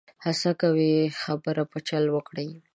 هڅه کوي خبره په چل وکړي.